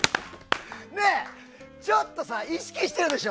ちょっと意識してるでしょ？